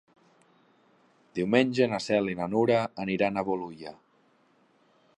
Diumenge na Cel i na Nura aniran a Bolulla.